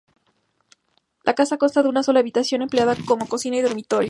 La casa consta de una sola habitación empleada como cocina y dormitorio.